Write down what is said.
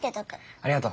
ありがとう。